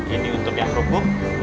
ini untuk yang kerupuk